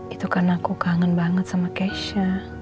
itu karena aku kangen banget sama keisha